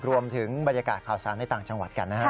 รวมถึงบรรยากาศข่าวสารในต่างจังหวัดกันนะฮะ